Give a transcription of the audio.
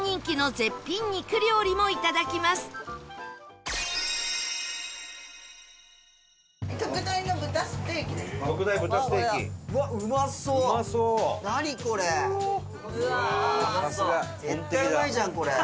絶対うまいじゃんこれ。